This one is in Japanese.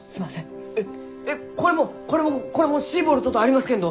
えっえこれもこれもこれも「シーボルト」とありますけんど。